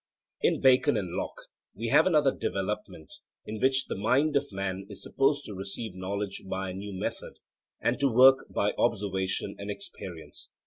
In Bacon and Locke we have another development in which the mind of man is supposed to receive knowledge by a new method and to work by observation and experience.